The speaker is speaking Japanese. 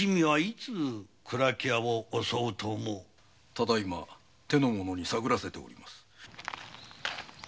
ただいま手の者に探らせております。